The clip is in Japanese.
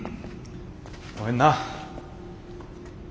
ごめんな。